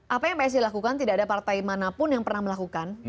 apa yang psi lakukan tidak ada partai manapun yang pernah melakukan